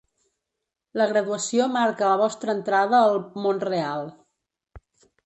La graduació marca la vostra entrada al ‘món real’.